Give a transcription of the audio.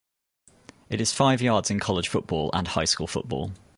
It is five yards in college football and high school football.